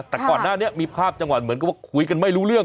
แต่ก่อนหน้านี้มีภาพจังหวะเหมือนกับว่าคุยกันไม่รู้เรื่อง